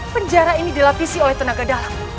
penjara ini dilapisi oleh tenaga dalam